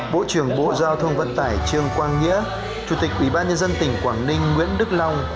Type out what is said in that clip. bộ trưởng bộ giao thông vận tải trương quang nghĩa chủ tịch ủy ban nhân dân tỉnh quảng ninh nguyễn đức long